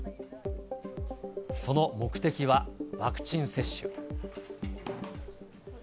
その目的はワクチン接種。